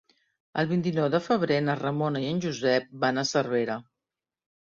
El vint-i-nou de febrer na Ramona i en Josep van a Cervera.